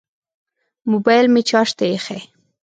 موبیل مې چارج ته ایښی